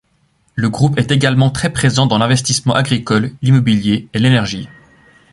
Le groupe est également très présent dans l'investissement agricole, l'immobilier et l'énergie.